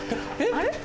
あれ？